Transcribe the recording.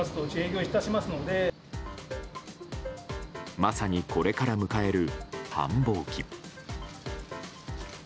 まさに、これから迎える繁忙期。